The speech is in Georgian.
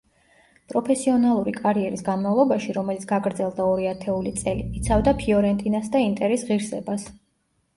პროფესიონალური კარიერის განმავლობაში, რომელიც გაგრძელდა ორი ათეული წელი, იცავდა „ფიორენტინას“ და „ინტერის“ ღირსებას.